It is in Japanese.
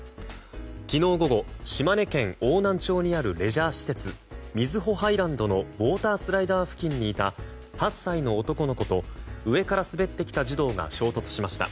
昨日午後、島根県邑南町にあるレジャー施設瑞穂ハイランドのウォータースライダー付近にいた８歳の男の子と上から滑ってきた児童が衝突しました。